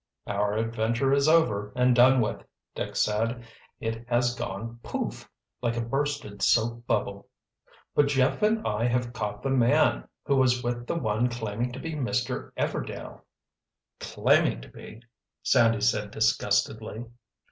"Our adventure is over and done with," Dick said. "It has gone 'poof' like a bursted soap bubble." "But Jeff and I have caught the man who was with the one claiming to be Mr. Everdail——" "Claiming to be," Sandy said disgustedly.